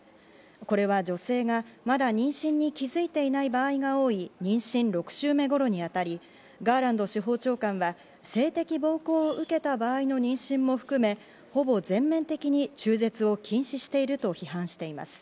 これは女性がまだ妊娠に気づいていない場合が多い妊娠６週目頃に当たり、ガーランド司法長官は性的暴行を受けた場合の妊娠も含め、ほぼ全面的に中絶を禁止していると批判しています。